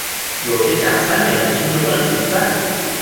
有些甲酸盐甚至不能存在。